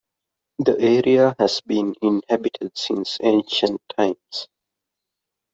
The area has been inhabited since ancient times.